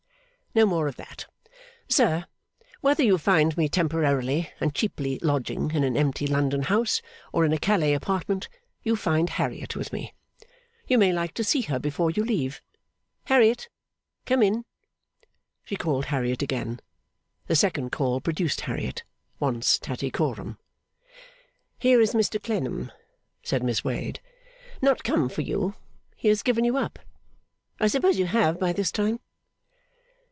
No more of that. Sir, whether you find me temporarily and cheaply lodging in an empty London house, or in a Calais apartment, you find Harriet with me. You may like to see her before you leave. Harriet, come in!' She called Harriet again. The second call produced Harriet, once Tattycoram. 'Here is Mr Clennam,' said Miss Wade; 'not come for you; he has given you up, I suppose you have, by this time?